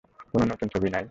কোনো নতুন ছবি নাই?